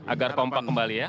agar kompak kembali ya